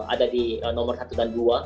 ada di nomor satu dan dua